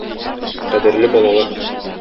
Кадерле балалар!